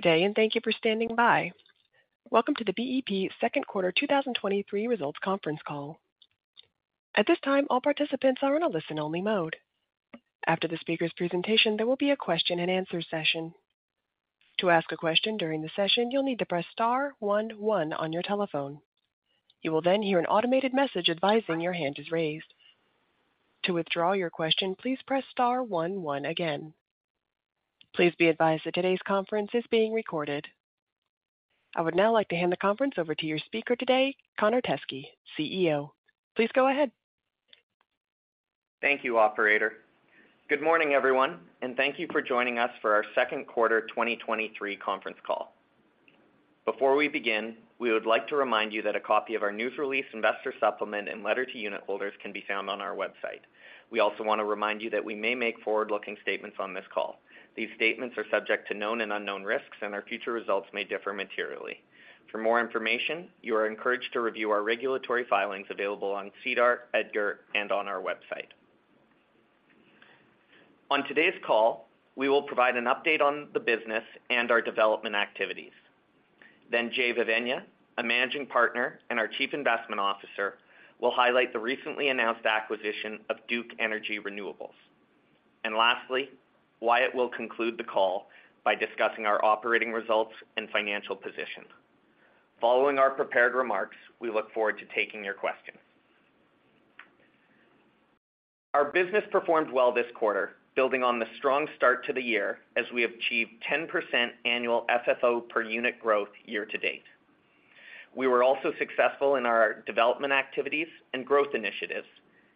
Good day. Thank you for standing by. Welcome to the BEP Second Quarter 2023 Results Conference Call. At this time, all participants are in a listen-only mode. After the speaker's presentation, there will be a question-and-answer session. To ask a question during the session, you'll need to press star one one on your telephone. You will hear an automated message advising your hand is raised. To withdraw your question, please press star one one again. Please be advised that today's conference is being recorded. I would now like to hand the conference over to your speaker today, Connor Teskey, CEO. Please go ahead. Thank you, operator. Good morning, everyone, thank you for joining us for our second quarter 2023 conference call. Before we begin, we would like to remind you that a copy of our news release, investor supplement, and letter to unit holders can be found on our website. We also want to remind you that we may make forward-looking statements on this call. These statements are subject to known and unknown risks, our future results may differ materially. For more information, you are encouraged to review our regulatory filings available on SEDAR, EDGAR, and on our website. On today's call, we will provide an update on the business and our development activities. Jehangir Vevaina, a Managing Partner and our Chief Investment Officer, will highlight the recently announced acquisition of Duke Energy Renewables. Lastly, Wyatt will conclude the call by discussing our operating results and financial position. Following our prepared remarks, we look forward to taking your questions. Our business performed well this quarter, building on the strong start to the year as we achieved 10% annual FFO per unit growth year to date. We were also successful in our development activities and growth initiatives,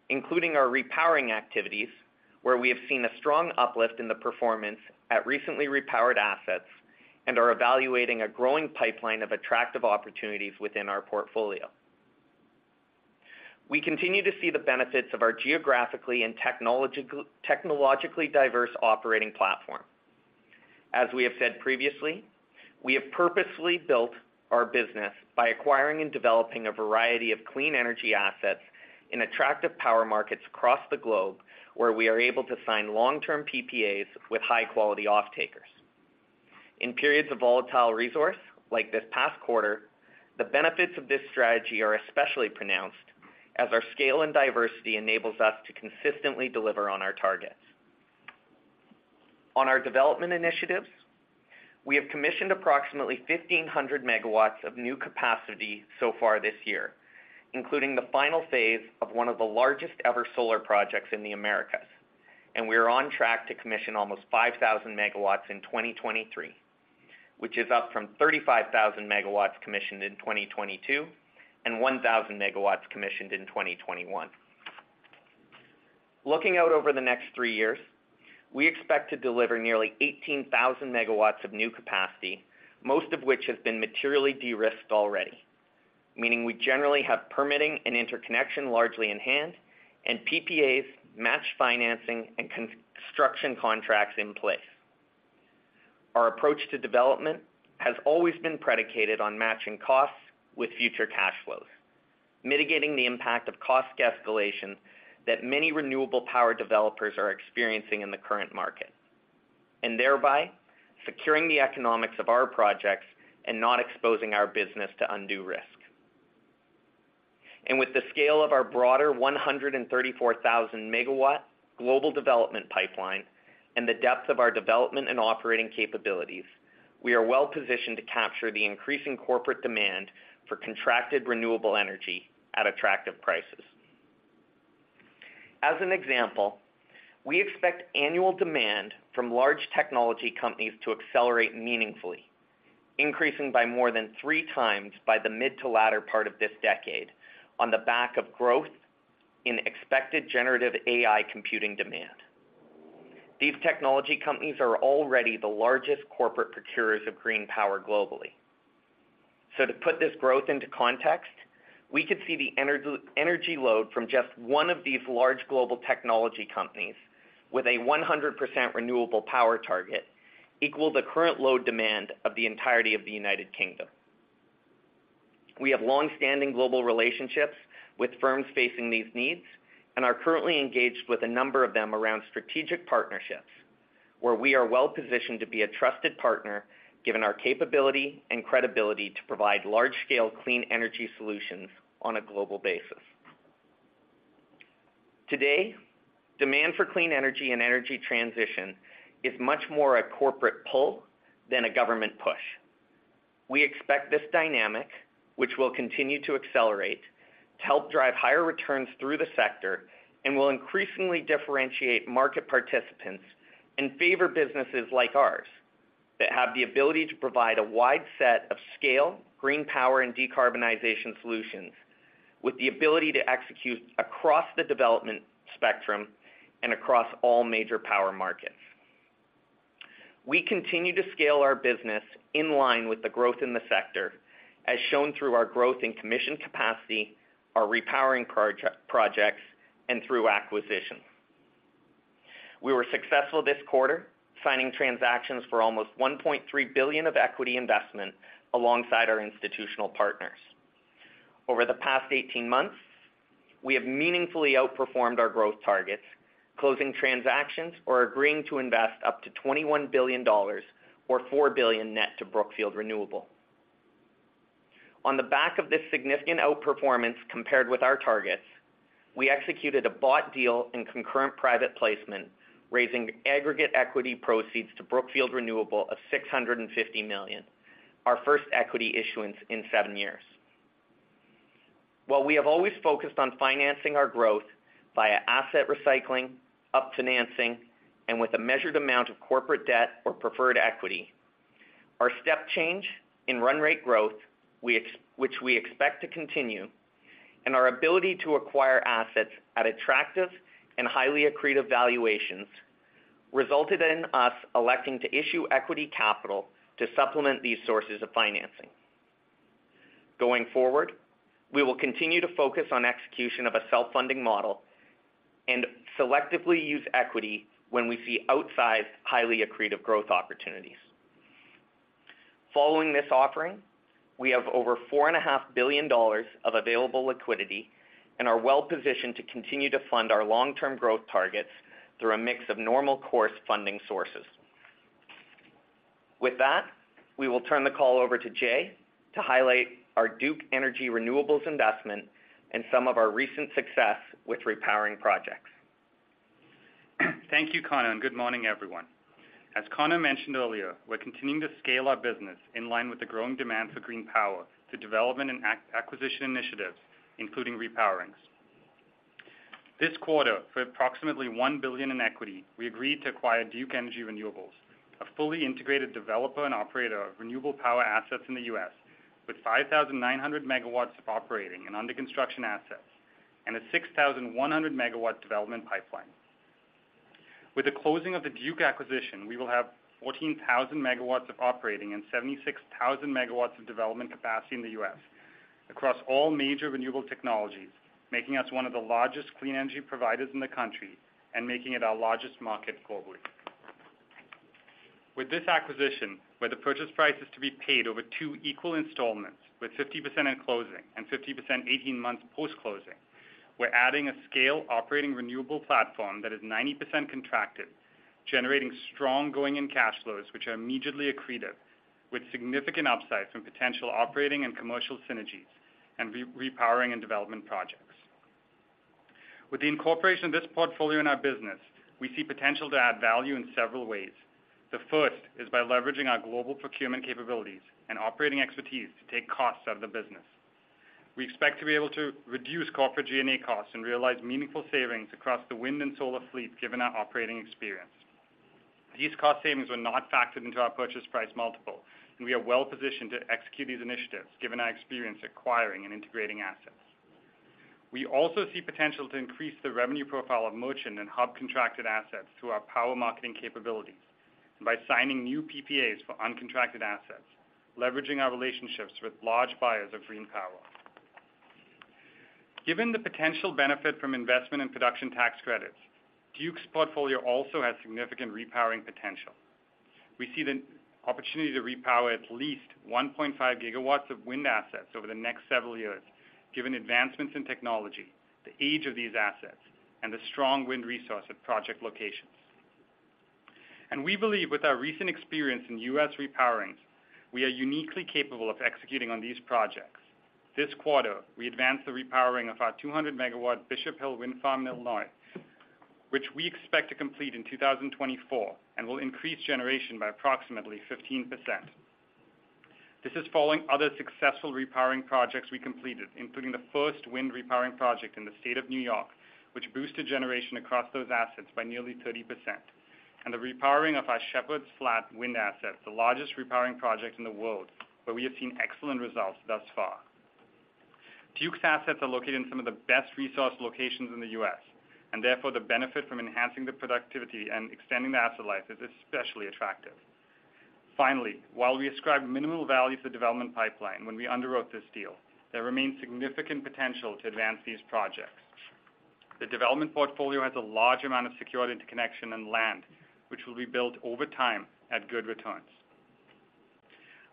including our repowering activities, where we have seen a strong uplift in the performance at recently repowered assets and are evaluating a growing pipeline of attractive opportunities within our portfolio. We continue to see the benefits of our geographically and technologically diverse operating platform. As we have said previously, we have purposefully built our business by acquiring and developing a variety of clean energy assets in attractive power markets across the globe, where we are able to sign long-term PPAs with high-quality off-takers. In periods of volatile resource, like this past quarter, the benefits of this strategy are especially pronounced, as our scale and diversity enables us to consistently deliver on our targets. On our development initiatives, we have commissioned approximately 1,500 MW of new capacity so far this year, including the final phase of one of the largest-ever solar projects in the Americas. We are on track to commission almost 5,000 MW in 2023, which is up from 35,000 MW commissioned in 2022 and 1,000 MW commissioned in 2021. Looking out over the next three years, we expect to deliver nearly 18,000 MW of new capacity, most of which have been materially de-risked already, meaning we generally have permitting and interconnection largely in hand and PPAs, matched financing and construction contracts in place. Our approach to development has always been predicated on matching costs with future cash flows, mitigating the impact of cost escalation that many renewable power developers are experiencing in the current market, and thereby securing the economics of our projects and not exposing our business to undue risk. With the scale of our broader 134,000 MW global development pipeline and the depth of our development and operating capabilities, we are well positioned to capture the increasing corporate demand for contracted renewable energy at attractive prices. As an example, we expect annual demand from large technology companies to accelerate meaningfully, increasing by more than three times by the mid to latter part of this decade on the back of growth in expected generative AI computing demand. These technology companies are already the largest corporate procurers of green power globally. To put this growth into context, we could see the energy, energy load from just one of these large global technology companies with a 100% renewable power target equal the current load demand of the entirety of the United Kingdom. We have long-standing global relationships with firms facing these needs and are currently engaged with a number of them around strategic partnerships, where we are well positioned to be a trusted partner, given our capability and credibility to provide large-scale clean energy solutions on a global basis. Today, demand for clean energy and energy transition is much more a corporate pull than a government push. We expect this dynamic, which will continue to accelerate, to help drive higher returns through the sector and will increasingly differentiate market participants and favor businesses like ours, that have the ability to provide a wide set of scale, green power, and decarbonization solutions, with the ability to execute across the development spectrum and across all major power markets. We continue to scale our business in line with the growth in the sector, as shown through our growth in commissioned capacity, our repowering projects, and through acquisitions. We were successful this quarter, signing transactions for almost $1.3 billion of equity investment alongside our institutional partners. Over the past 18 months, we have meaningfully outperformed our growth targets, closing transactions or agreeing to invest up to $21 billion or $4 billion net to Brookfield Renewable. On the back of this significant outperformance compared with our targets, we executed a bought deal in concurrent private placement, raising aggregate equity proceeds to Brookfield Renewable of $650 million, our first equity issuance in seven years. While we have always focused on financing our growth via asset recycling, up financing, and with a measured amount of corporate debt or preferred equity, our step change in run rate growth, which we expect to continue, and our ability to acquire assets at attractive and highly accretive valuations, resulted in us electing to issue equity capital to supplement these sources of financing. Going forward, we will continue to focus on execution of a self-funding model and selectively use equity when we see outsized, highly accretive growth opportunities. Following this offering, we have over $4.5 billion of available liquidity and are well-positioned to continue to fund our long-term growth targets through a mix of normal course funding sources. With that, we will turn the call over to Jay to highlight our Duke Energy Renewables investment and some of our recent success with repowering projects. Thank you, Connor, good morning, everyone. As Connor mentioned earlier, we're continuing to scale our business in line with the growing demand for green power to development and acquisition initiatives, including repowerings. This quarter, for approximately $1 billion in equity, we agreed to acquire Duke Energy Renewables, a fully integrated developer and operator of renewable power assets in the U.S., with 5,900 MW of operating and under construction assets, and a 6,100 MW development pipeline. With the closing of the Duke acquisition, we will have 14,000 MW of operating and 76,000 MW of development capacity in the U.S. across all major renewable technologies, making us one of the largest clean energy providers in the country and making it our largest market globally. With this acquisition, where the purchase price is to be paid over two equal installments, with 50% in closing and 50% 18 months post-closing, we're adding a scale operating renewable platform that is 90% contracted, generating strong going and cash flows, which are immediately accretive, with significant upside from potential operating and commercial synergies and repowering and development projects. With the incorporation of this portfolio in our business, we see potential to add value in several ways. The first is by leveraging our global procurement capabilities and operating expertise to take costs out of the business. We expect to be able to reduce corporate G&A costs and realize meaningful savings across the wind and solar fleet, given our operating experience. These cost savings were not factored into our purchase price multiple, and we are well-positioned to execute these initiatives, given our experience acquiring and integrating assets. We also see potential to increase the revenue profile of merchant and hub-contracted assets through our power marketing capabilities and by signing new PPAs for uncontracted assets, leveraging our relationships with large buyers of green power. Given the potential benefit from Investment and Production Tax Credit, Duke's portfolio also has significant repowering potential. We see the opportunity to repower at least 1.5 gigawatts of wind assets over the next several years, given advancements in technology, the age of these assets, and the strong wind resource at project locations. We believe with our recent experience in U.S. repowerings, we are uniquely capable of executing on these projects. This quarter, we advanced the repowering of our 200 megawatt Bishop Hill Wind Farm in Illinois, which we expect to complete in 2024, and will increase generation by approximately 15%. This is following other successful repowering projects we completed, including the first wind repowering project in the state of New York, which boosted generation across those assets by nearly 30%, and the repowering of our Shepherds Flat wind assets, the largest repowering project in the world, where we have seen excellent results thus far. Duke's assets are located in some of the best resource locations in the US, and therefore, the benefit from enhancing the productivity and extending the asset life is especially attractive. Finally, while we ascribed minimal value to the development pipeline when we underwrote this deal, there remains significant potential to advance these projects. The development portfolio has a large amount of secured interconnection and land, which will be built over time at good returns.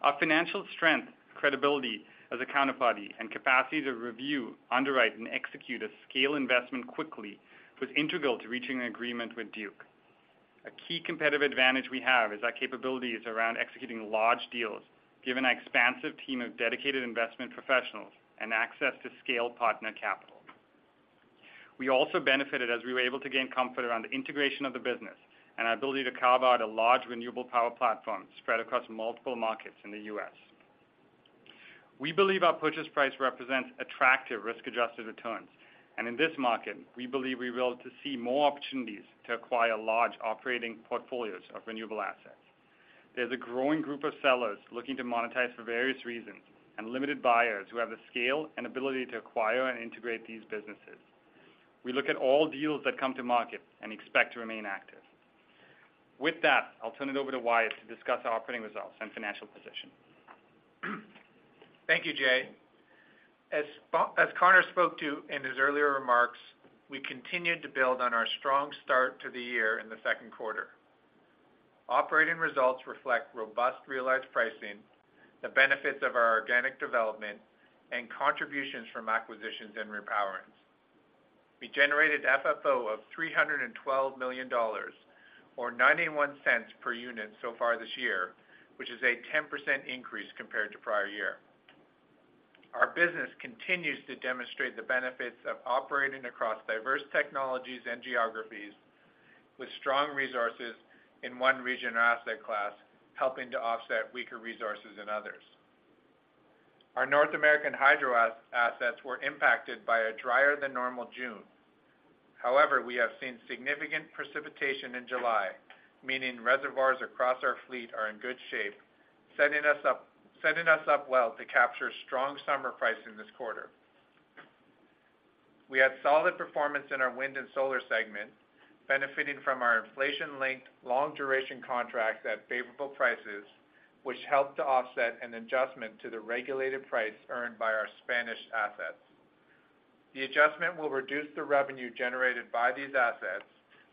Our financial strength, credibility as a counterparty, and capacity to review, underwrite, and execute a scale investment quickly, was integral to reaching an agreement with Duke. A key competitive advantage we have is our capabilities around executing large deals, given our expansive team of dedicated investment professionals and access to scale partner capital. We also benefited as we were able to gain comfort around the integration of the business and our ability to carve out a large renewable power platform spread across multiple markets in the U.S. We believe our purchase price represents attractive risk-adjusted returns, and in this market, we believe we will to see more opportunities to acquire large operating portfolios of renewable assets. There's a growing group of sellers looking to monetize for various reasons, and limited buyers who have the scale and ability to acquire and integrate these businesses. We look at all deals that come to market and expect to remain active. With that, I'll turn it over to Wyatt to discuss our operating results and financial position. Thank you, Jay. As Connor spoke to in his earlier remarks, we continued to build on our strong start to the year in the second quarter.... Operating results reflect robust realized pricing, the benefits of our organic development, and contributions from acquisitions and repowerings. We generated FFO of $312 million, or $0.91 per unit so far this year, which is a 10% increase compared to prior year. Our business continues to demonstrate the benefits of operating across diverse technologies and geographies, with strong resources in one region or asset class, helping to offset weaker resources in others. Our North American Hydro assets were impacted by a drier-than-normal June. We have seen significant precipitation in July, meaning reservoirs across our fleet are in good shape, setting us up well to capture strong summer pricing this quarter. We had solid performance in our wind and solar segment, benefiting from our inflation-linked, long-duration contracts at favorable prices, which helped to offset an adjustment to the regulated price earned by our Spanish assets. The adjustment will reduce the revenue generated by these assets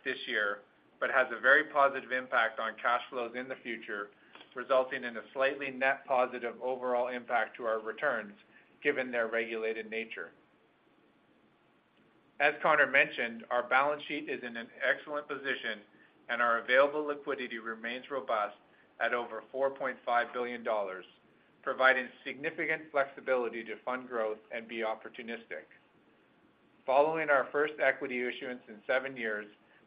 this year, but has a very positive impact on cash flows in the future, resulting in a slightly net positive overall impact to our returns, given their regulated nature. As Connor mentioned, our balance sheet is in an excellent position, and our available liquidity remains robust at over $4.5 billion, providing significant flexibility to fund growth and be opportunistic. Following our first equity issuance in seven years,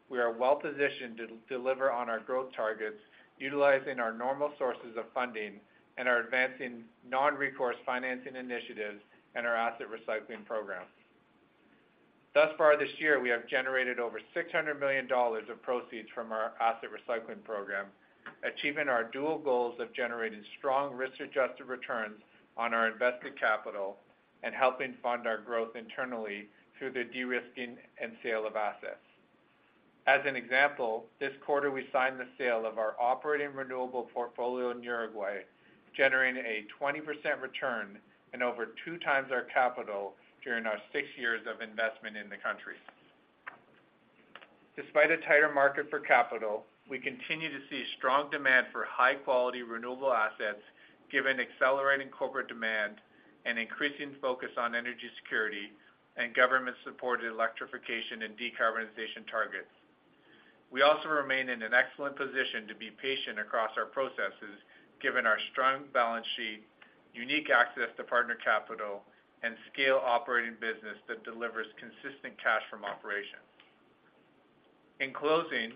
we are well-positioned to deliver on our growth targets, utilizing our normal sources of funding and are advancing non-recourse financing initiatives and our asset recycling program. Thus far this year, we have generated over $600 million of proceeds from our asset recycling program, achieving our dual goals of generating strong risk-adjusted returns on our invested capital and helping fund our growth internally through the de-risking and sale of assets. As an example, this quarter, we signed the sale of our operating renewable portfolio in Uruguay, generating a 20% return and over 2x our capital during our six years of investment in the country. Despite a tighter market for capital, we continue to see strong demand for high-quality renewable assets, given accelerating corporate demand and increasing focus on energy security and government-supported electrification and decarbonization targets. We also remain in an excellent position to be patient across our processes, given our strong balance sheet, unique access to partner capital, and scale operating business that delivers consistent cash from operations. In closing,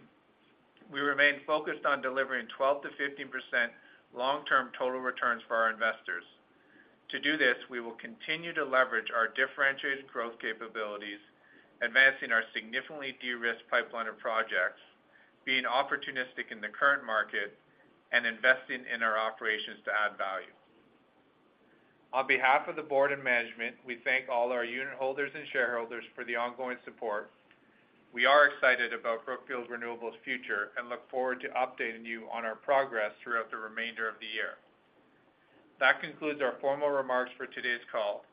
we remain focused on delivering 12%-15% long-term total returns for our investors. To do this, we will continue to leverage our differentiated growth capabilities, advancing our significantly de-risked pipeline of projects, being opportunistic in the current market, and investing in our operations to add value. On behalf of the board and management, we thank all our unitholders and shareholders for the ongoing support. We are excited about Brookfield Renewable's future and look forward to updating you on our progress throughout the remainder of the year. That concludes our formal remarks for today's call.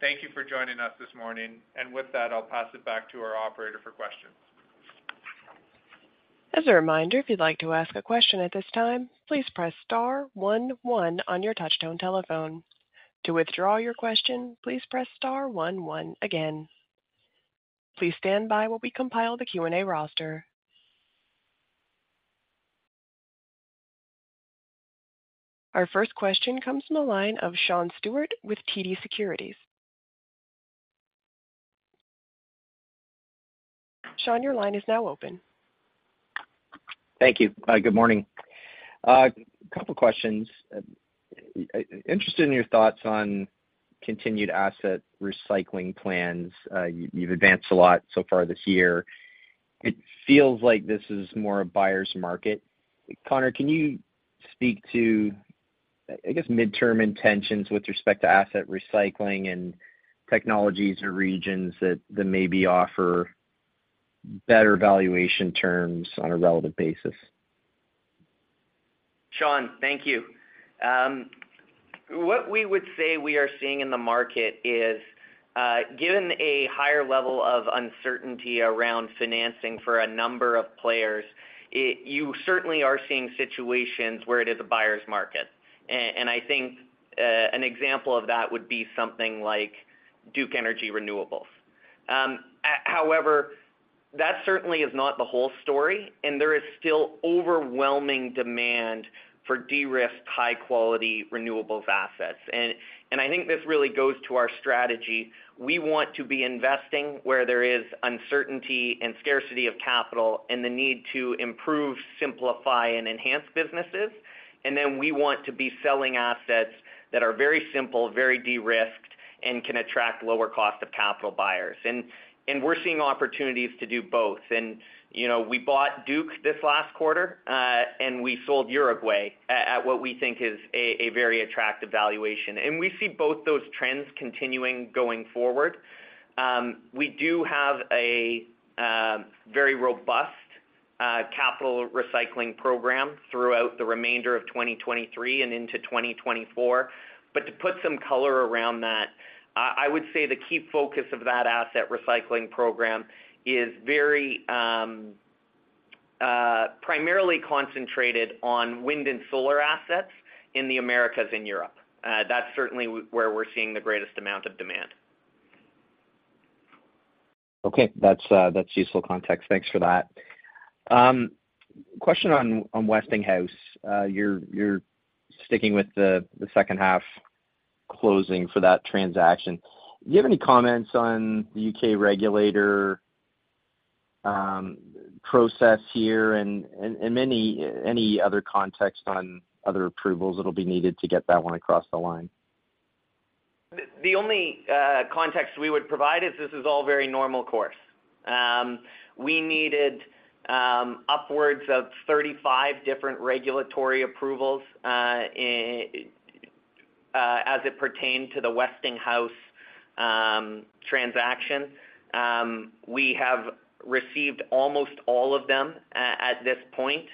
Thank you for joining us this morning. With that, I'll pass it back to our operator for questions. As a reminder, if you'd like to ask a question at this time, please press star one, one on your touch-tone telephone. To withdraw your question, please press star one, one again. Please stand by while we compile the Q&A roster. Our first question comes from the line of Sean Stewart with TD Securities. Sean, your line is now open. Thank you. Good morning. A couple questions. Interested in your thoughts on continued asset recycling plans. You've advanced a lot so far this year. It feels like this is more a buyer's market. Connor, can you speak to, I guess, midterm intentions with respect to asset recycling and technologies or regions that maybe offer better valuation terms on a relative basis? Sean, thank you. What we would say we are seeing in the market is, given a higher level of uncertainty around financing for a number of players, you certainly are seeing situations where it is a buyer's market. I think, an example of that would be something like Duke Energy Renewables. However, that certainly is not the whole story, and there is still overwhelming demand for de-risked, high-quality renewables assets. I think this really goes to our strategy. We want to be investing where there is uncertainty and scarcity of capital and the need to improve, simplify, and enhance businesses. Then we want to be selling assets that are very simple, very de-risked, and can attract lower cost of capital buyers. We're seeing opportunities to do both. You know, we bought Duke this last quarter, and we sold Uruguay at, at what we think is a very attractive valuation. We see both those trends continuing going forward. We do have a very robust capital recycling program throughout the remainder of 2023 and into 2024. To put some color around that. I would say the key focus of that asset recycling program is very, primarily concentrated on wind and solar assets in the Americas and Europe. That's certainly where we're seeing the greatest amount of demand. Okay. That's, that's useful context. Thanks for that. Question on, on Westinghouse. You're, you're sticking with the, the second half closing for that transaction. Do you have any comments on the UK regulator, process here and, and, and any, any other context on other approvals that will be needed to get that one across the line? The, the only context we would provide is this is all very normal course. We needed upwards of 35 different regulatory approvals in as it pertained to the Westinghouse transaction. We have received almost all of them at this point.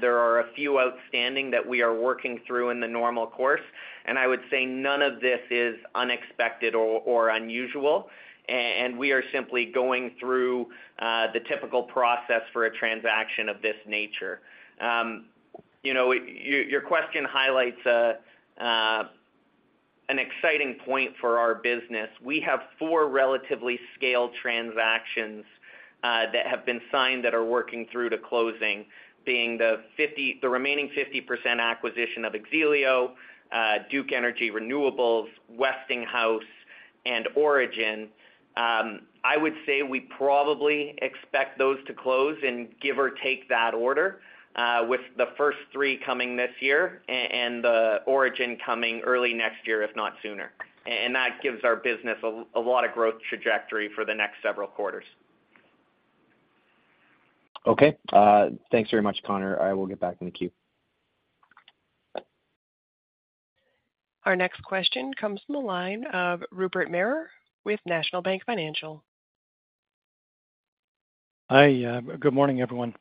There are a few outstanding that we are working through in the normal course, and I would say none of this is unexpected or unusual. We are simply going through the typical process for a transaction of this nature. You know, your, your question highlights an exciting point for our business. We have four relatively scaled transactions that have been signed, that are working through to closing, being the remaining 50% acquisition of X-ELIO, Duke Energy Renewables, Westinghouse, and Origin Energy. I would say we probably expect those to close and give or take that order, with the first three coming this year and the Origin coming early next year, if not sooner. That gives our business a lot of growth trajectory for the next several quarters. Okay. Thanks very much, Connor. I will get back in the queue. Our next question comes from the line of Rupert Mercer with National Bank Financial. Hi, good morning, everyone.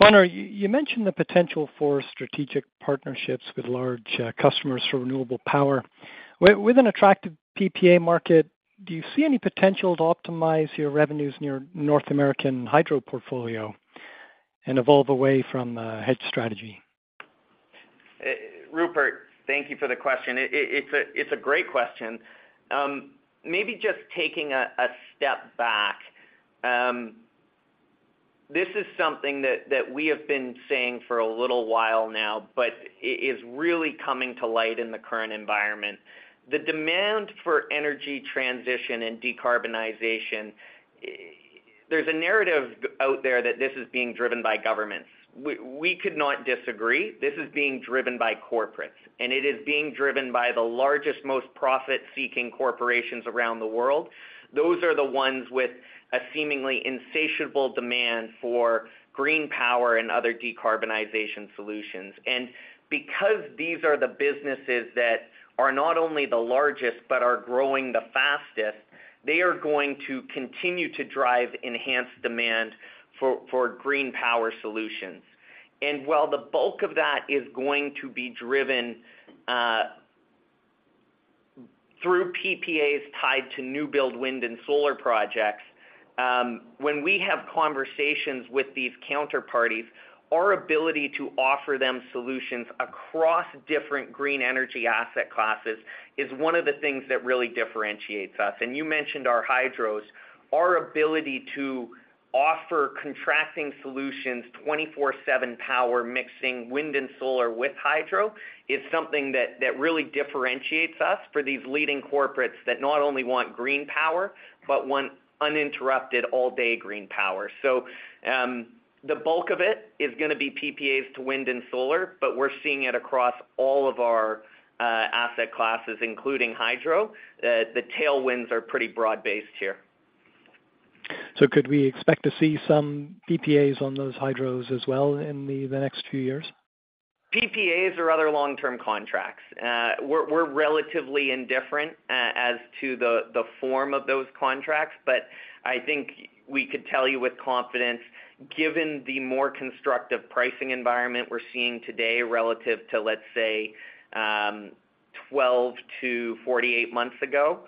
Connor, you mentioned the potential for strategic partnerships with large customers for renewable power. With an attractive PPA market, do you see any potential to optimize your revenues in your North American Hydro portfolio and evolve away from hedge strategy? Rupert, thank you for the question.it's a, it's a great question. Maybe just taking a, a step back, this is something that, that we have been saying for a little while now, but i-is really coming to light in the current environment. The demand for energy transition and decarbonization. There's a narrative out there that this is being driven by governments. We, we could not disagree. This is being driven by corporates, and it is being driven by the largest, most profit-seeking corporations around the world. Those are the ones with a seemingly insatiable demand for green power and other decarbonization solutions. Because these are the businesses that are not only the largest, but are growing the fastest, they are going to continue to drive enhanced demand for, for green power solutions. While the bulk of that is going to be driven through PPAs tied to new build wind and solar projects, when we have conversations with these counterparties, our ability to offer them solutions across different green energy asset classes is one of the things that really differentiates us. You mentioned our hydros. Our ability to offer contracting solutions, 24/seven power, mixing wind and solar with hydro, is something that really differentiates us for these leading corporates that not only want green power, but want uninterrupted all-day green power. The bulk of it is going to be PPAs to wind and solar, but we're seeing it across all of our asset classes, including hydro. The tailwinds are pretty broad-based here. Could we expect to see some PPAs on those hydros as well in the next two years? PPAs or other long-term contracts? We're relatively indifferent as to the form of those contracts, but I think we could tell you with confidence, given the more constructive pricing environment we're seeing today relative to, let's say, 12-48 months ago,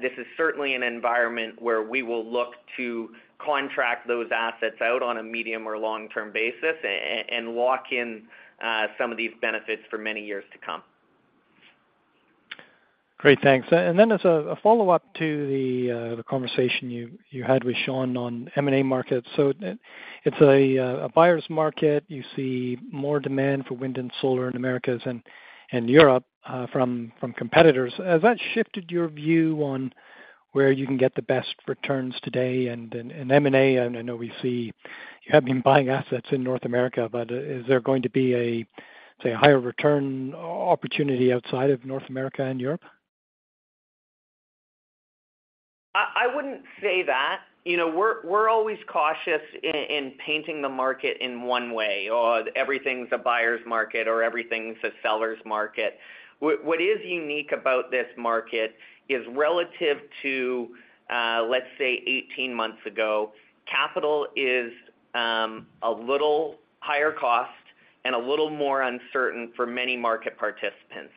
this is certainly an environment where we will look to contract those assets out on a medium or long-term basis and lock in some of these benefits for many years to come. Great, thanks. As a, a follow-up to the conversation you, you had with Sean on M&A markets. It, it's a, a buyer's market. You see more demand for wind and solar in Americas and, and Europe, from, from competitors. Has that shifted your view on where you can get the best returns today and in, in M&A? I know we see you have been buying assets in North America, but, is there going to be a, say, higher return opportunity outside of North America and Europe? I, I wouldn't say that. You know, we're, we're always cautious in, in painting the market in one way, or everything's a buyer's market, or everything's a seller's market. What, what is unique about this market is relative to, let's say, 18 months ago, capital is a little higher cost. And a little more uncertain for many market participants.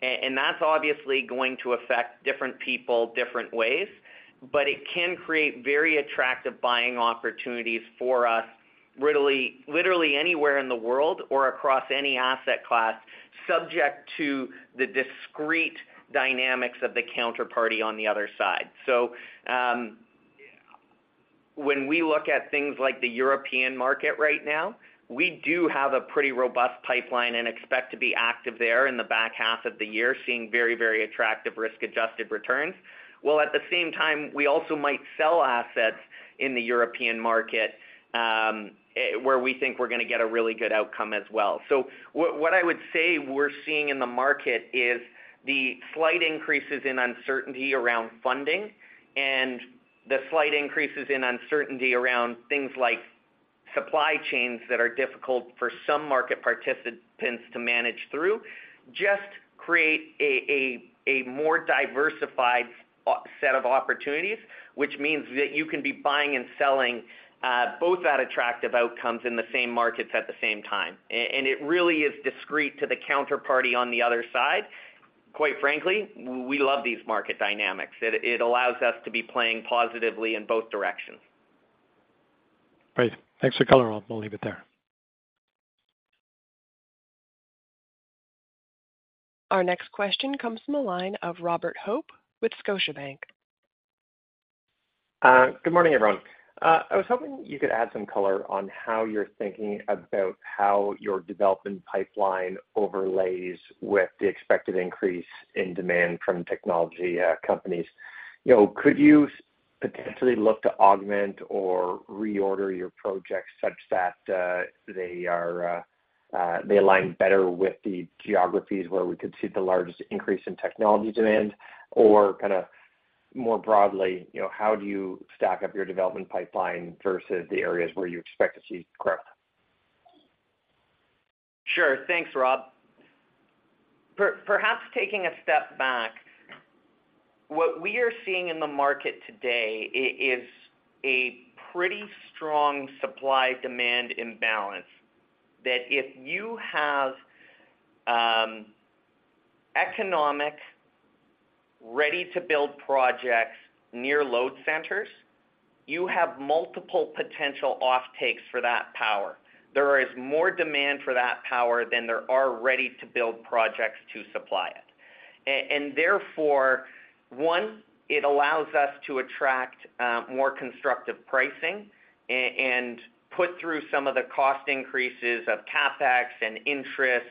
And that's obviously going to affect different people, different ways, but it can create very attractive buying opportunities for us, literally anywhere in the world or across any asset class, subject to the discrete dynamics of the counterparty on the other side. When we look at things like the European market right now, we do have a pretty robust pipeline and expect to be active there in the back half of the year, seeing very, very attractive risk-adjusted returns. While at the same time, we also might sell assets in the European market, where we think we're gonna get a really good outcome as well. What I would say we're seeing in the market is the slight increases in uncertainty around funding and the slight increases in uncertainty around things like supply chains that are difficult for some market participants to manage through, just create a more diversified set of opportunities, which means that you can be buying and selling, both at attractive outcomes in the same markets at the same time. It really is discrete to the counterparty on the other side. Quite frankly, we love these market dynamics. It allows us to be playing positively in both directions. Great. Thanks for color. We'll leave it there. Our next question comes from the line of Robert Hope with Scotiabank. Good morning, everyone. I was hoping you could add some color on how you're thinking about how your development pipeline overlays with the expected increase in demand from technology companies. You know, could you potentially look to augment or reorder your projects such that they are, they align better with the geographies where we could see the largest increase in technology demand, or kinda, more broadly, you know, how do you stack up your development pipeline versus the areas where you expect to see growth? Sure. Thanks, Robert Hope. Perhaps taking a step back, what we are seeing in the market today is a pretty strong supply-demand imbalance, that if you have economic, ready-to-build projects near load centers, you have multiple potential offtakes for that power. There is more demand for that power than there are ready-to-build projects to supply it. Therefore, one, it allows us to attract more constructive pricing and put through some of the cost increases of CapEx and interest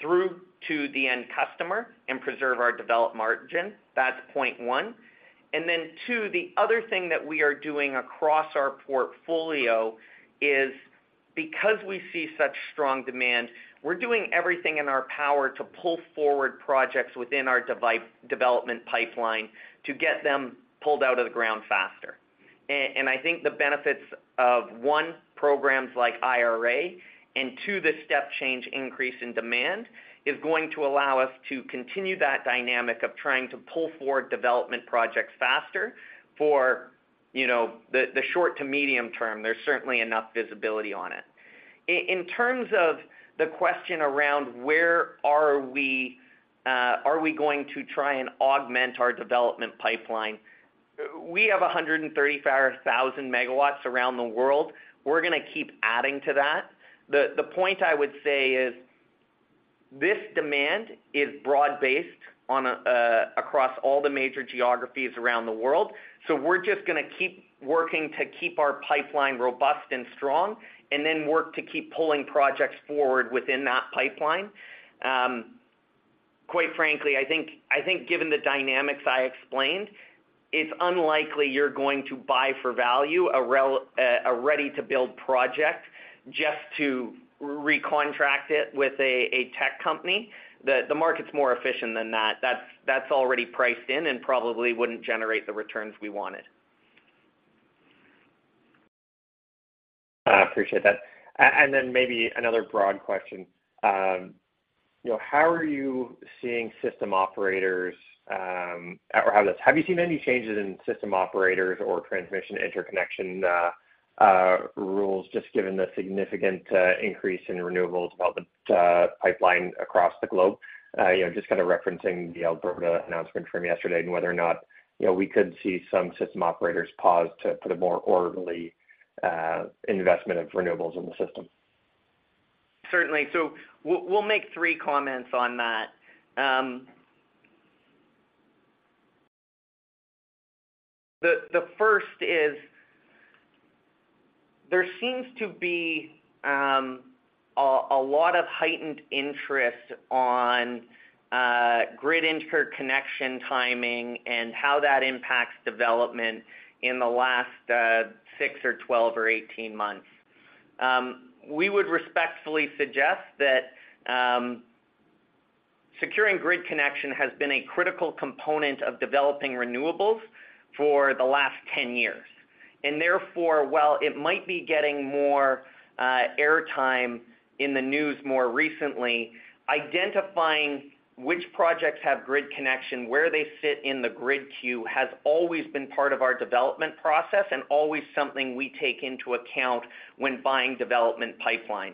through to the end customer and preserve our developed margin. That's point one. Then two, the other thing that we are doing across our portfolio is because we see such strong demand, we're doing everything in our power to pull forward projects within our development pipeline to get them pulled out of the ground faster. I think the benefits of, one, programs like IRA, and two, the step change increase in demand, is going to allow us to continue that dynamic of trying to pull forward development projects faster for, you know, the short to medium term. There's certainly enough visibility on it. In terms of the question around where are we, are we going to try and augment our development pipeline? We have 135,000 megawatts around the world. We're gonna keep adding to that. The point I would say is, this demand is broad-based on, across all the major geographies around the world. We're just gonna keep working to keep our pipeline robust and strong, and then work to keep pulling projects forward within that pipeline. Quite frankly, I think, I think given the dynamics I explained, it's unlikely you're going to buy for value, a ready-to-build project just to recontract it with a, a tech company. The market's more efficient than that. That's, that's already priced in and probably wouldn't generate the returns we wanted. I appreciate that. Maybe another broad question. You know, how are you seeing system operators? Have you seen any changes in system operators or transmission interconnection rules, just given the significant increase in renewables development pipeline across the globe, you know, just kinda referencing the Alberta announcement from yesterday and whether or not, you know, we could see some system operators pause to put a more orderly investment of renewables in the system? Certainly. We'll make three comments on that. The first is, there seems to be a lot of heightened interest on grid interconnection timing and how that impacts development in the last six or 12 or 18 months. We would respectfully suggest that securing grid connection has been a critical component of developing renewables for the last 10 years. Therefore, while it might be getting more airtime in the news more recently, identifying which projects have grid connection, where they fit in the grid queue, has always been part of our development process and always something to take into account when buying development pipeline.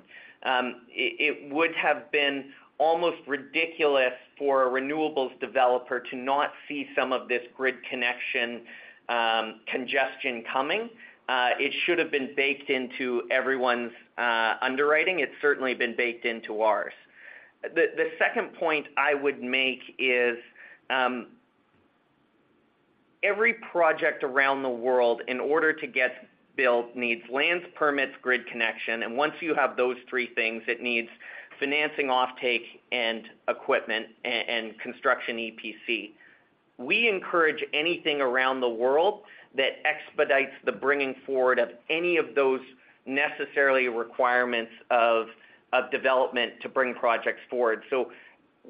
It would have been almost ridiculous for a renewables developer to not see some of this grid connection congestion coming. It should have been baked into everyone's underwriting. It's certainly been baked into ours. The, the second point I would make is, every project around the world, in order to get built, needs lands, permits, grid connection, and once you have those three things, it needs financing, offtake, and equipment, and construction EPC. We encourage anything around the world that expedites the bringing forward of any of those necessarily requirements of, of development to bring projects forward.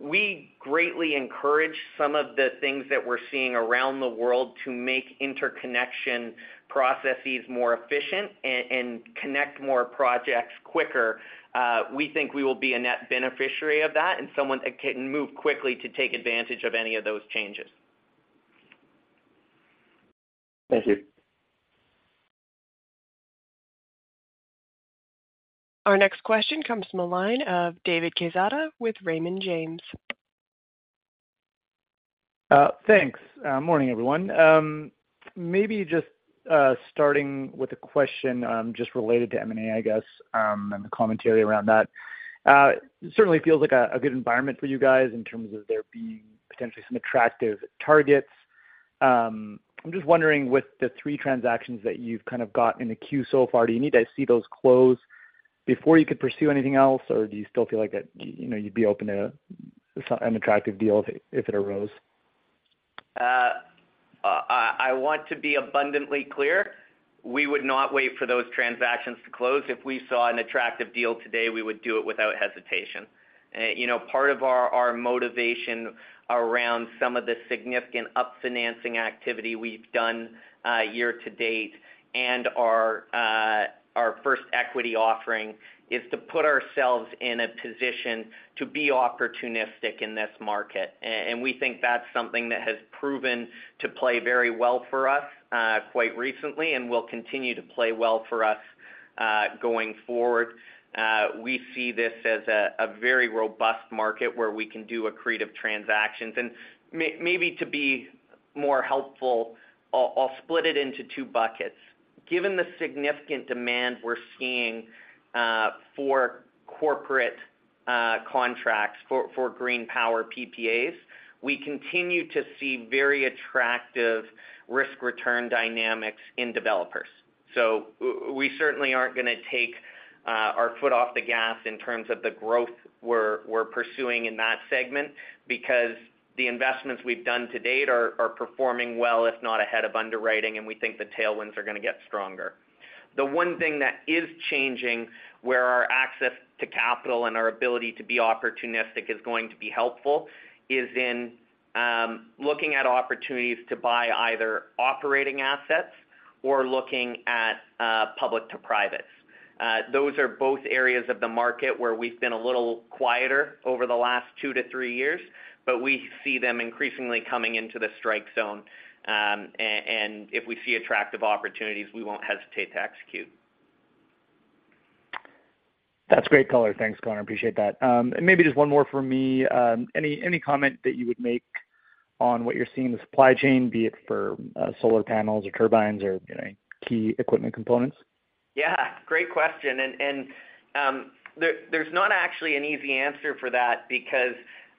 We greatly encourage some of the things that we're seeing around the world to make interconnection processes more efficient and connect more projects quicker. We think we will be a net beneficiary of that and someone that can move quickly to take advantage of any of those changes. Thank you. Our next question comes from the line of David Quezada with Raymond James. Thanks. Morning, everyone. Maybe just starting with a question, just related to M&A, I guess, and the commentary around that. It certainly feels like a good environment for you guys in terms of there being potentially some attractive targets. I'm just wondering, with the three transactions that you've kind of got in the queue so far, do you need to see those close before you could pursue anything else, or do you still feel like that, you know, you'd be open to an attractive deal if it arose? I, I want to be abundantly clear, we would not wait for those transactions to close. If we saw an attractive deal today, we would do it without hesitation. you know, part of our, our motivation around some of the significant up-financing activity we've done, year to date and our, our first equity offering, is to put ourselves in a position to be opportunistic in this market. We think that's something that has proven to play very well for us, quite recently and will continue to play well for us, going forward. We see this as a, a very robust market where we can do accretive transactions. Maybe to be more helpful, I'll, I'll split it into two buckets. Given the significant demand we're seeing, for corporate, contracts for, for green power PPAs, we continue to see very attractive risk-return dynamics in developers. We certainly aren't gonna take our foot off the gas in terms of the growth we're, we're pursuing in that segment, because the investments we've done to date are, are performing well, if not ahead of underwriting, and we think the tailwinds are gonna get stronger. The one thing that is changing, where our access to capital and our ability to be opportunistic is going to be helpful, is in looking at opportunities to buy either operating assets or looking at public to privates. Those are both areas of the market where we've been a little quieter over the last two to three years, but we see them increasingly coming into the strike zone. If we see attractive opportunities, we won't hesitate to execute. That's great color. Thanks, Connor, appreciate that. Maybe just one more from me. Any, any comment that you would make on what you're seeing in the supply chain, be it for, solar panels or turbines or, you know, key equipment components? Yeah, great question. There's not actually an easy answer for that because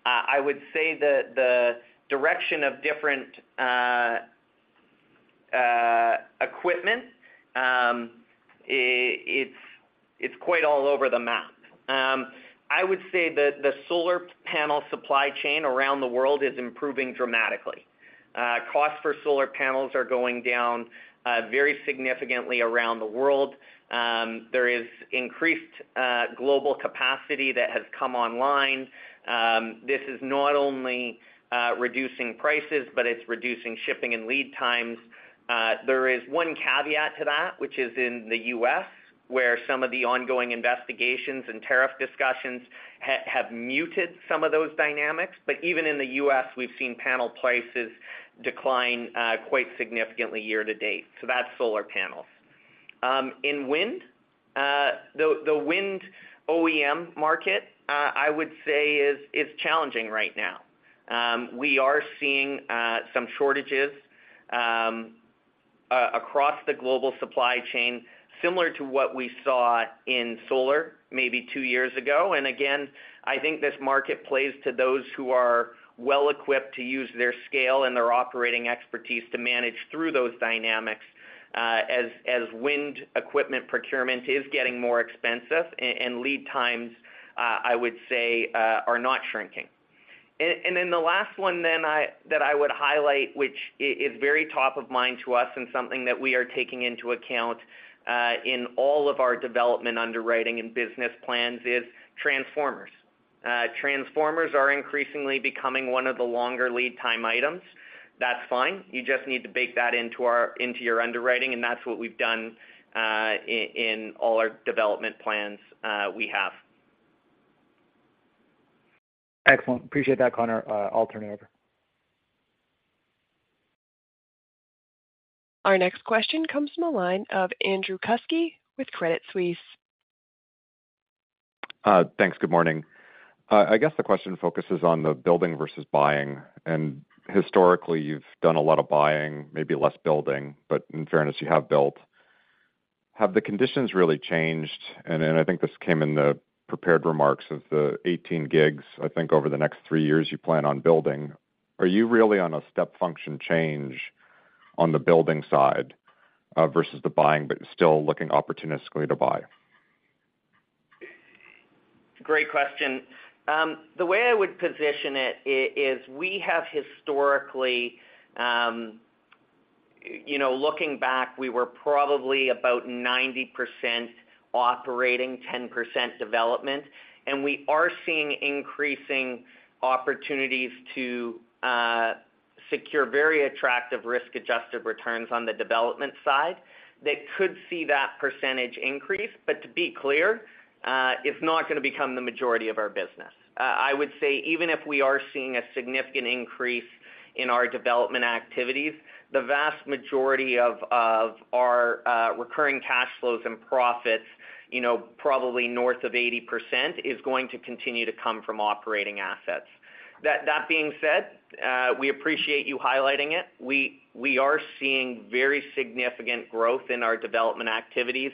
I would say the direction of different equipment, it's quite all over the map. I would say the solar panel supply chain around the world is improving dramatically. Costs for solar panels are going down very significantly around the world. There is increased global capacity that has come online. This is not only reducing prices, but it's reducing shipping and lead times. There is one caveat to that, which is in the U.S., where some of the ongoing investigations and tariff discussions have muted some of those dynamics. Even in the U.S., we've seen panel prices decline quite significantly year to date. That's solar panels. In wind, the wind OEM market, I would say is challenging right now. We are seeing some shortages across the global supply chain, similar to what we saw in solar maybe two years ago. Again, I think this market plays to those who are well-equipped to use their scale and their operating expertise to manage through those dynamics, as wind equipment procurement is getting more expensive, and lead times, I would say, are not shrinking. Then the last one that I would highlight, which is very top of mind to us and something that we are taking into account in all of our development underwriting and business plans is transformers. Transformers are increasingly becoming one of the longer lead time items. That's fine. You just need to bake that into your underwriting, and that's what we've done, in all our development plans, we have. Excellent. Appreciate that, Connor. I'll turn it over. Our next question comes from the line of Andrew Kuske with Credit Suisse. Thanks. Good morning. I guess the question focuses on the building versus buying. Historically, you've done a lot of buying, maybe less building, but in fairness, you have built. Have the conditions really changed? I think this came in the prepared remarks of the 18 gigs, I think, over the next three years, you plan on building. Are you really on a step function change on the building side, versus the buying, but still looking opportunistically to buy? Great question. The way I would position it, is we have historically, you know, looking back, we were probably about 90% operating, 10% development, and we are seeing increasing opportunities to secure very attractive risk-adjusted returns on the development side. That could see that percentage increase, but to be clear, it's not going to become the majority of our business. I would say even if we are seeing a significant increase in our development activities, the vast majority of, of our, recurring cash flows and profits, you know, probably north of 80%, is going to continue to come from operating assets. That, that being said, we appreciate you highlighting it. We, we are seeing very significant growth in our development activities,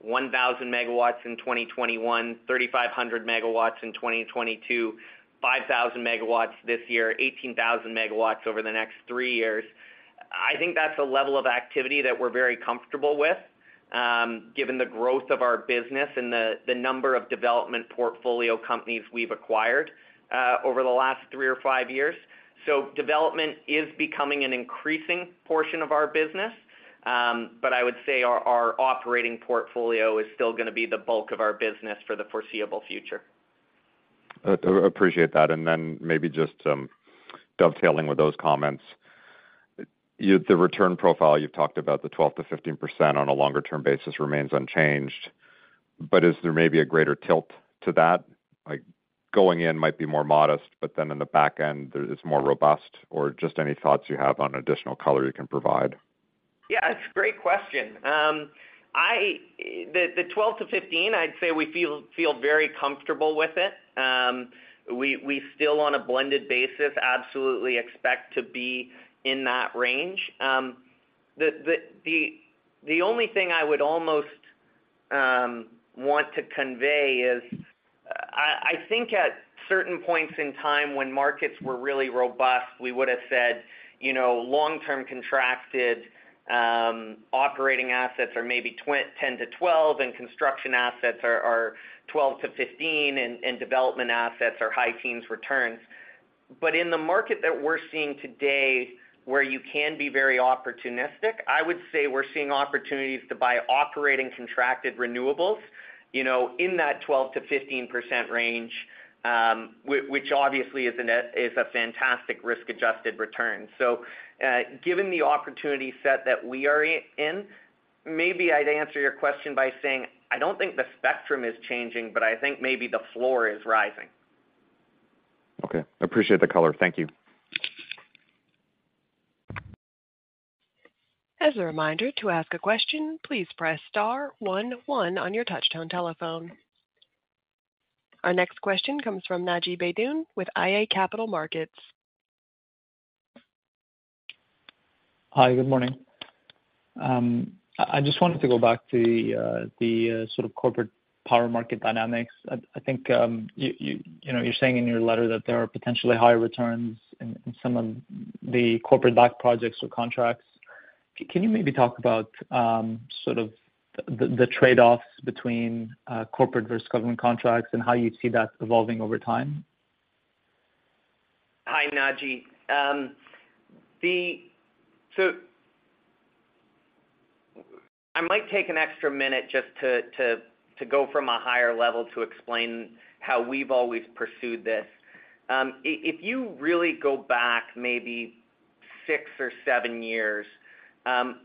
1,000 MW in 2021, 3,500 megawatts in 2022, 5,000 MW this year, 18,000 MW over the next three years. I think that's a level of activity that we're very comfortable with, given the growth of our business and the, the number of development portfolio companies we've acquired, over the last three or five years. Development is becoming an increasing portion of our business, but I would say our, our operating portfolio is still going to be the bulk of our business for the foreseeable future. Appreciate that, then maybe just dovetailing with those comments. The return profile, you've talked about the 12%-15% on a longer-term basis remains unchanged, but is there maybe a greater tilt to that? Like, going in might be more modest, but then in the back end, there's more robust, or just any thoughts you have on additional color you can provide. Yeah, it's a great question. I, the, the 12-15, I'd say we feel, feel very comfortable with it. We, we still, on a blended basis, absolutely expect to be in that range. The, the, the, the only thing I would almost want to convey is, I, I think at certain points in time when markets were really robust, we would have said, you know, long-term contracted, operating assets are maybe 10-12, and construction assets are, are 12-15, and, and development assets are high teens returns. In the market that we're seeing today, where you can be very opportunistic, I would say we're seeing opportunities to buy operating contracted renewables, you know, in that 12-15% range, which obviously is a fantastic risk-adjusted return. Given the opportunity set that we are in, maybe I'd answer your question by saying, I don't think the spectrum is changing, but I think maybe the floor is rising. Okay, appreciate the color. Thank you. As a reminder, to ask a question, please press star one one on your touchtone telephone. Our next question comes from Najib Beydoun, with iA Capital Markets. Hi, good morning. I just wanted to go back to the, the sort of corporate power market dynamics. I, I think, you know, you're saying in your letter that there are potentially higher returns in, in some of the corporate backed projects or contracts. Can you maybe talk about, sort of the, the trade-offs between, corporate versus government contracts and how you see that evolving over time? Hi, Najib. I might take an extra minute just to, to, to go from a higher level to explain how we've always pursued this. If you really go back maybe six or seven years,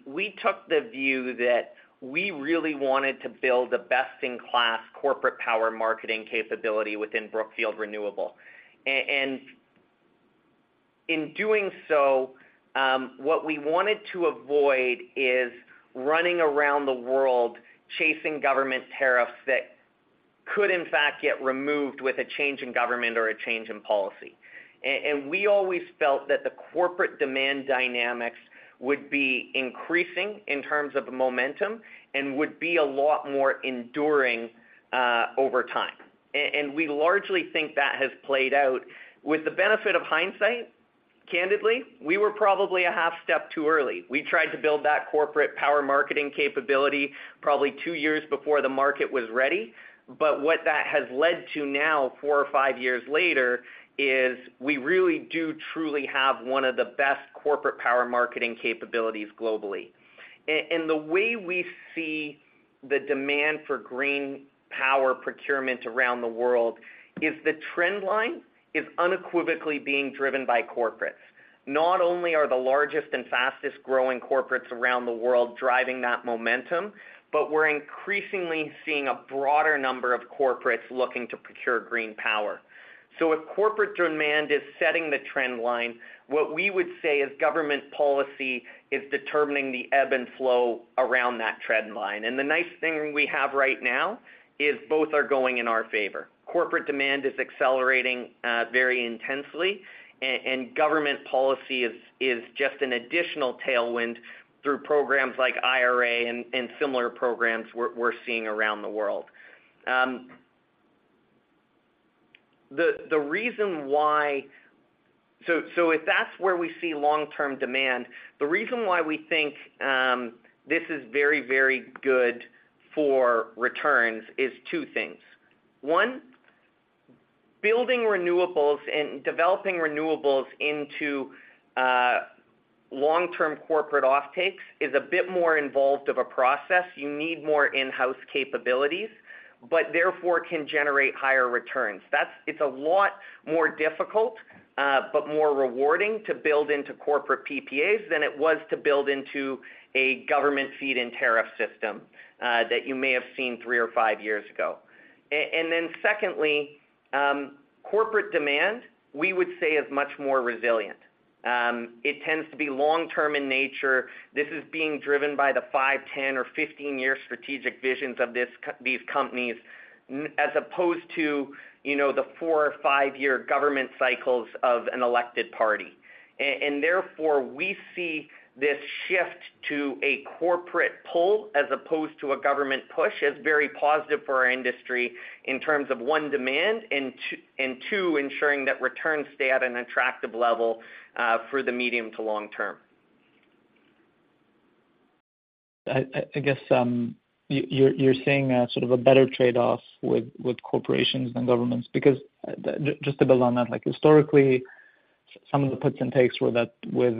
we took the view that we really wanted to build a best-in-class corporate power marketing capability within Brookfield Renewable. And in doing so, what we wanted to avoid is running around the world, chasing government tariffs that could, in fact, get removed with a change in government or a change in policy. We always felt that the corporate demand dynamics would be increasing in terms of momentum and would be a lot more enduring over time. We largely think that has played out. With the benefit of hindsight, candidly, we were probably a half step too early. We tried to build that corporate power marketing capability probably two years before the market was ready. What that has led to now, four or five years later, is we really do truly have one of the best corporate power marketing capabilities globally. The way we see the demand for green power procurement around the world is the trend line, is unequivocally being driven by corporates. Not only are the largest and fastest-growing corporates around the world driving that momentum, but we're increasingly seeing a broader number of corporates looking to procure green power. If corporate demand is setting the trend line, what we would say is government policy is determining the ebb and flow around that trend line. The nice thing we have right now is both are going in our favor. Corporate demand is accelerating very intensely, and government policy is just an additional tailwind through programs like IRA and similar programs we're seeing around the world. If that's where we see long-term demand, the reason why we think this is very, very good for returns is two things. One, building renewables and developing renewables into long-term corporate offtakes is a bit more involved of a process. You need more in-house capabilities, but therefore can generate higher returns. It's a lot more difficult, but more rewarding to build into corporate PPAs than it was to build into a government feed-in tariff system that you may have seen three or five years ago. Secondly, corporate demand, we would say, is much more resilient. It tends to be long-term in nature. This is being driven by the five, 10, or 15-year strategic visions of these companies, as opposed to, you know, the four or five-year government cycles of an elected party. Therefore, we see this shift to a corporate pull, as opposed to a government push, as very positive for our industry in terms of, one, demand, and two, ensuring that returns stay at an attractive level, for the medium to long term. I guess, you, you're, you're seeing a sort of a better trade-off with, with corporations than governments, because j-just to build on that, like historically, s-some of the puts and takes were that with,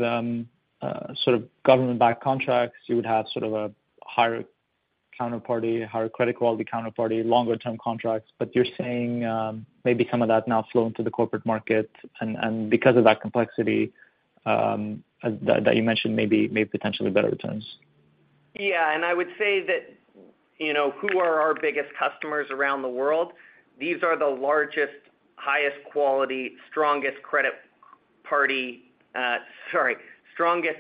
sort of government-backed contracts, you would have sort of a higher counterparty, higher credit quality counterparty, longer-term contracts. You're saying, maybe some of that's now flowing to the corporate market, and, and because of that complexity, that, that you mentioned, maybe may potentially better returns. I would say that, you know, who are our biggest customers around the world? These are the largest, highest quality, strongest credit party. Sorry, strongest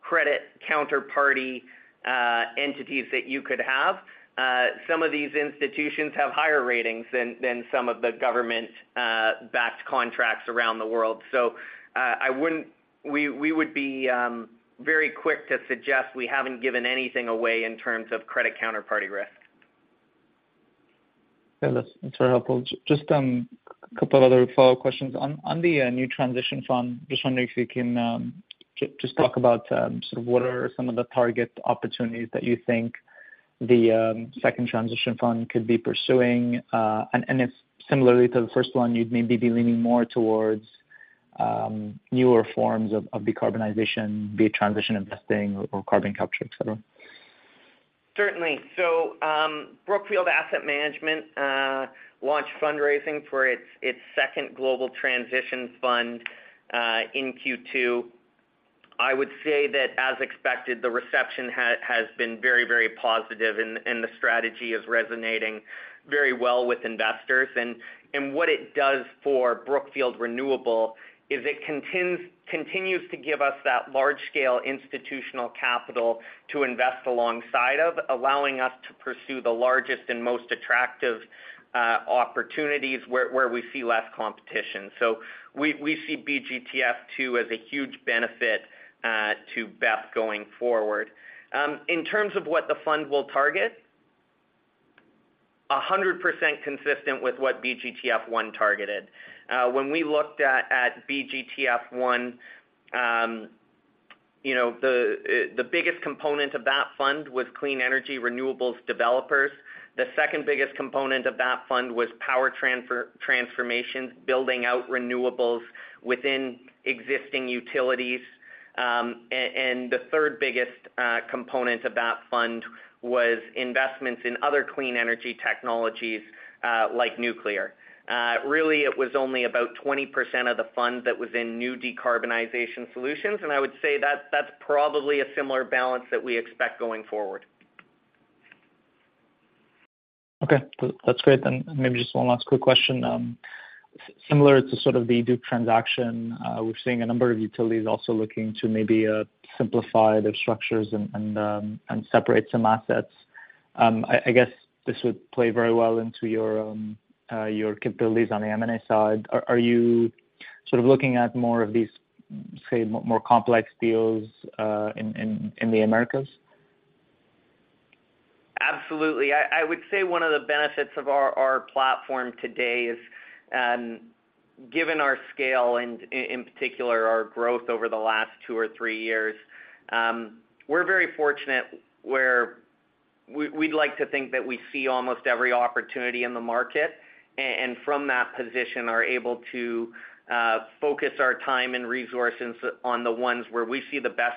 credit counterparty entities that you could have. Some of these institutions have higher ratings than, than some of the government backed contracts around the world. I wouldn't- We, we would be very quick to suggest we haven't given anything away in terms of credit counterparty risk. Yeah, that's very helpful. Just a couple of other follow-up questions. On, on the new Transition Fund, just wondering if you can just talk about sort of what are some of the target opportunities that you think the second Transition Fund could be pursuing? If similarly to the first one, you'd maybe be leaning more towards newer forms of decarbonization, be it transition investing or carbon capture, et cetera. Certainly. Brookfield Asset Management launched fundraising for its, its second Global Transition Fund in Q2. I would say that, as expected, the reception has, has been very, very positive and, and the strategy is resonating very well with investors. What it does for Brookfield Renewable is it continues to give us that large-scale institutional capital to invest alongside of, allowing us to pursue the largest and most attractive opportunities where, where we see less competition. We, we see BGTF II as a huge benefit to BEP going forward. In terms of what the fund will target, 100% consistent with what BGTF I targeted. When we looked at, at BGTF I, you know, the biggest component of that fund was clean energy renewables developers. The second biggest component of that fund was power transformations, building out renewables within existing utilities. The third biggest component of that fund was investments in other clean energy technologies, like nuclear. Really, it was only about 20% of the fund that was in new decarbonization solutions, and I would say that's, that's probably a similar balance that we expect going forward. Okay, that's great. Maybe just one last quick question. Similar to sort of the Duke transaction, we're seeing a number of utilities also looking to maybe simplify their structures and, and separate some assets. I, I guess this would play very well into your capabilities on the M&A side. Are, are you sort of looking at more of these, say, more complex deals, in the Americas? Absolutely. I, I would say one of the benefits of our, our platform today is, given our scale and in particular, our growth over the last two or three years, we're very fortunate where we'd, we'd like to think that we see almost every opportunity in the market, and from that position, are able to focus our time and resources on the ones where we see the best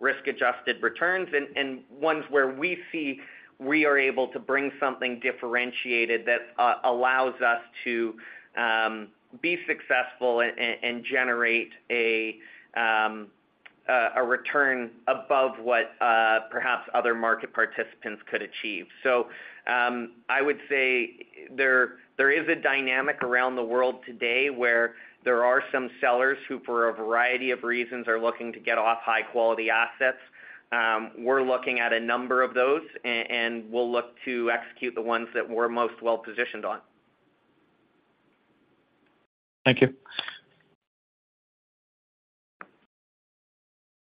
risk-adjusted returns, and ones where we see we are able to bring something differentiated that allows us to be successful and generate a return above what perhaps other market participants could achieve. I would say there, there is a dynamic around the world today where there are some sellers who, for a variety of reasons, are looking to get off high-quality assets. We're looking at a number of those, and we'll look to execute the ones that we're most well-positioned on. Thank you.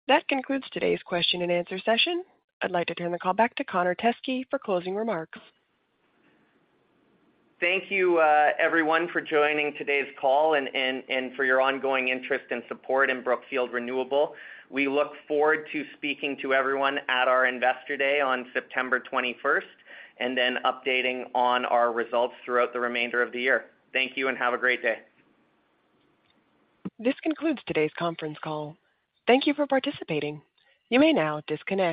That concludes today's question and answer session. I'd like to turn the call back to Connor Teskey for closing remarks. Thank you, everyone, for joining today's call and for your ongoing interest and support in Brookfield Renewable. We look forward to speaking to everyone at our Investor Day on September 21st, and then updating on our results throughout the remainder of the year. Thank you, and have a great day. This concludes today's conference call. Thank you for participating. You may now disconnect.